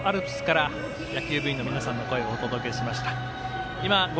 一塁側、三塁側両アルプスから野球部員の皆さんの声をお届けしました。